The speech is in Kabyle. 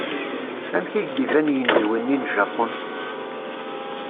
Amek i k-d-iban yinezwi-nni n Japun?